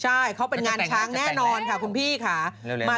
ใช่เขาเป็นงานช้างแน่นอนค่ะคุณพี่ค่ะ